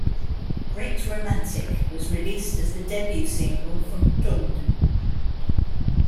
"Great Romantic" was released as the debut single from "Tunde".